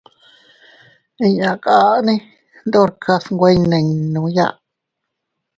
Inñakane ndorkas iynweiyninuya.